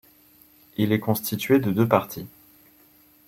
Il est constitué de deux parties.